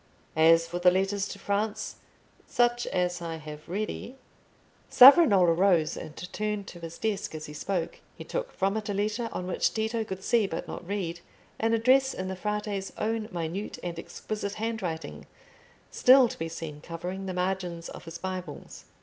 As for the letters to France, such as I have ready—" Savonarola rose and turned to his desk as he spoke. He took from it a letter on which Tito could see, but not read, an address in the Frate's own minute and exquisite handwriting, still to be seen covering the margins of his Bibles.